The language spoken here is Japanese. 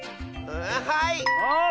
はい！